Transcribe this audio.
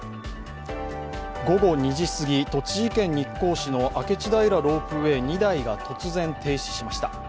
午後２時すぎ、栃木県日光市の明智平ロープウェイ２台が突然停止しました。